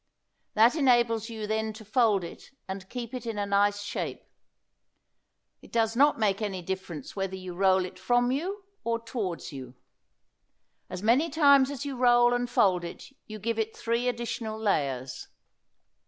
That enables you then to fold it and keep it in a nice shape. It does not make any difference whether you roll it from you or towards you. As many times as you roll and fold it you give it three additional layers.